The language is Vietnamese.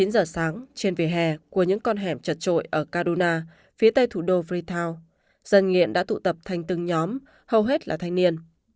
chín giờ sáng trên vỉa hè của những con hẻm trật trội ở kaduna phía tây thủ đô ritow dân đã tụ tập thành từng nhóm hầu hết là thanh niên